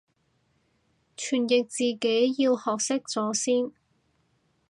傳譯自己要學識咗先